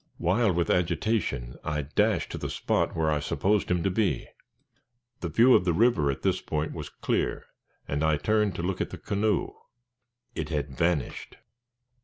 Wild with agitation, I dashed to the spot where I supposed him to be. The view of the river at this point was clear, and I turned to look at the canoe. It had vanished!